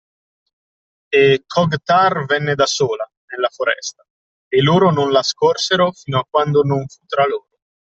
E Kog’Tar venne da sola, nella foresta, e loro non la scorsero fino a quando non fu tra loro.